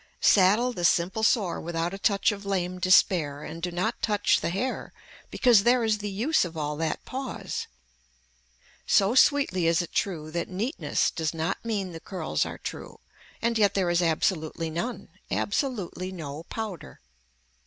Saddle the simple sore without a touch of lame despair and do not touch the hair because there is the use of all that pause. So sweetly is it true that neatness does not mean the curls are true and yet there is absolutely none, absolutely no powder.